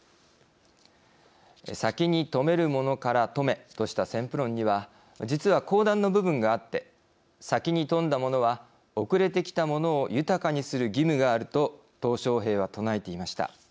先に富めるものから富めとした先富論には実は後段の部分があって先に富んだものは遅れてきたものを豊かにする義務があるととう小平は唱えていました。